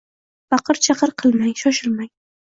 Baqir-chaqir qilmang, shoshilmang.